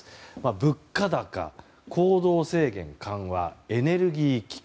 物価高、行動制限緩和エネルギー危機。